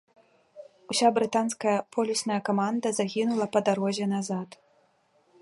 Уся брытанская полюсная каманда загінула па дарозе назад.